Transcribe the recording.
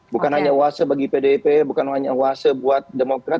bukan hanya oase bagi pdip bukan hanya oase buat demokrat